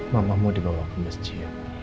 mama mau dibawa ke masjid